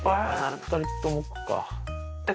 ２人ともか。